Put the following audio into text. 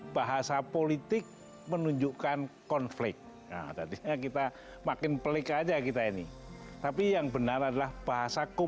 bahasa menunjukkan bangsa